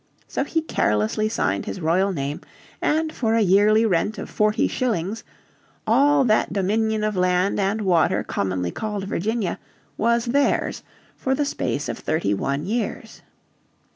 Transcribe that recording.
So he carelessly signed his royal name and for a yearly rent of forty shillings "all that dominion of land and water commonly called Virginia" was theirs for the space of thirty one years.